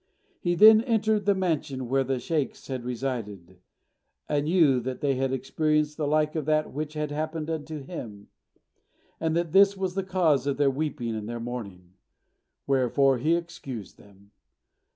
He then entered the mansion where the sheykhs had resided, and knew that they had experienced the like of that which had happened unto him, and that this was the cause of their weeping and their mourning; wherefore he excused them.